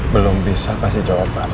belum bisa kasih jawaban